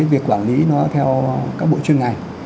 việc quản lý nó theo các bộ chuyên ngành